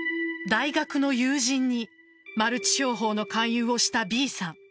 大学の友人にマルチ商法の勧誘をしたＢさん。